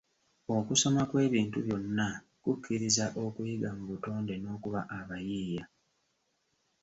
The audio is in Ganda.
Okusoma kw'ebintu byonna kukkiriza okuyiga mu butonde n'okuba abayiiya.